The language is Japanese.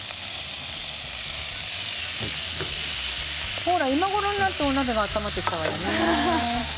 ほら、今頃になってお鍋が温まってきたわよね。